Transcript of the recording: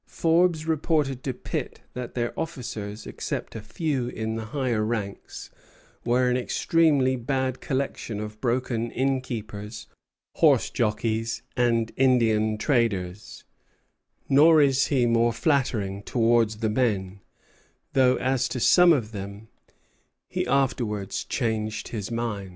Forbes reported to Pitt that their officers, except a few in the higher ranks, were "an extremely bad collection of broken inn keepers, horse jockeys, and Indian traders;" nor is he more flattering towards the men, though as to some of them he afterwards changed his mind.